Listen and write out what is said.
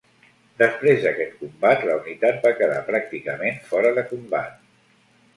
Després d'aquest combat, la unitat va quedar pràcticament fora de combat.